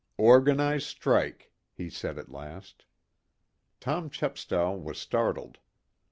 "Organized strike," he said at last. Tom Chepstow was startled.